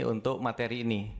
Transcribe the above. untuk materi ini